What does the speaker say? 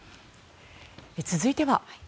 続いては。